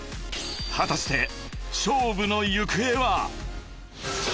［果たして勝負の行方は］